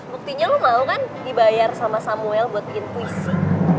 buktinya lu mau kan dibayar sama samuel buat in puisi